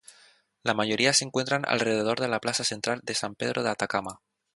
La mayoría se encuentran alrededor de la plaza central de San Pedro de Atacama.